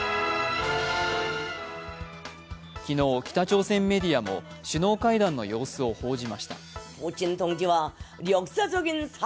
昨日、北朝鮮メディアも首脳会談の様子を報じました。